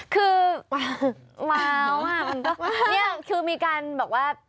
คือว้าวคือมีการบอกว่า